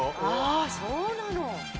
あそうなの。